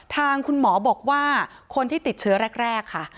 ทางคุณหมอบอกว่าคนที่ติดเชื้อแรกค่ะ